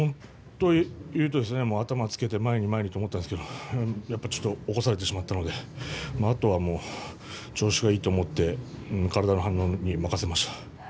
頭をつけて前に前にと思ったんですけれど起こされてしまったのであとはもう、調子がいいと思って体の反応に任せました。